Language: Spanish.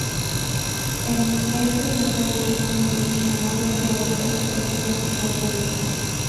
En este tercer volumen de sus memorias, la autora se cuestiona su propia vida.